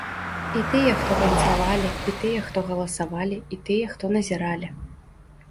І тыя, хто танцавалі, і тыя, хто галасавалі, і тыя, хто назіралі.